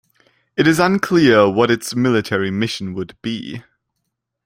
It is unclear what its military mission would be.